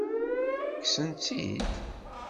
Kksen-tt-id?